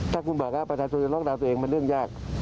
ถ้าคุณบอกว่าประชาชนจะล็อกดาวน์ตัวเองเป็นเรื่องยาก